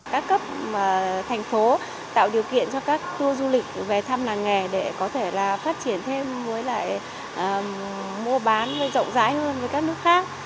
các cấp thành phố tạo điều kiện cho các tour du lịch về thăm làng nghề để có thể là phát triển thêm với lại mua bán rộng rãi hơn với các nước khác